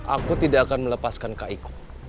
aku tidak akan melepaskan kak iko